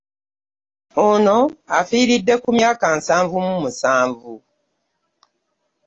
Ono afiiridde ku myaka nsanvu mu musanvu